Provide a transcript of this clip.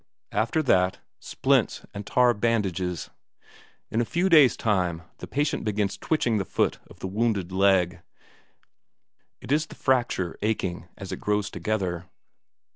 After that splints and tar bandages. In a few days' time the patient begins twitching the foot of the wounded leg; it is the fracture aching as it grows together.